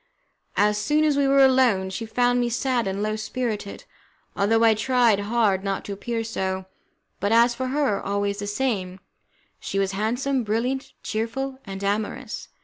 As soon as we were alone, she found me sad and low spirited, although I tried hard not to appear so, but, as for her, always the same, she was handsome, brilliant, cheerful, and amorous.